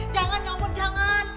jangan ya umur jangan